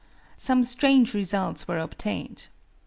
Some strange results were obtained.